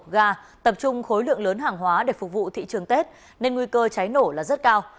ga tập trung khối lượng lớn hàng hóa để phục vụ thị trường tết nên nguy cơ cháy nổ là rất cao